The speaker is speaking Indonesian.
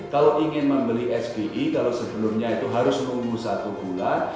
kalau ingin membeli sbi kalau sebelumnya itu harus menunggu satu bulan